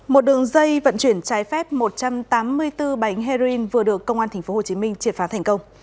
một đường dây vận chuyển trái phép một trăm tám mươi bốn bánh heroin vừa được công an tp hcm triệt phá thành công